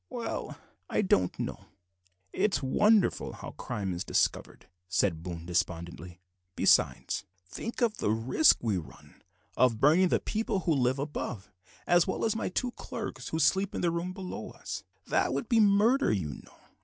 "Well, I don't know. It's wonderful how crime is discovered," said Boone despondingly; "besides, think of the risk we run of burning the people who live above, as well as my two clerks who sleep in the room below us; that would be murder, you know.